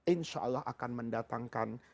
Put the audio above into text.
insya allah akan mendatangkan